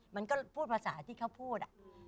มันก็พูดภาษาที่เขาพูด